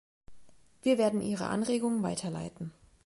Wir werden Ihre Anregung weiterleiten.